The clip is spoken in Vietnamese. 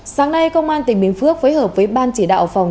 sáng nay công an tỉnh bình phước phối hợp với ban chỉ đạo phòng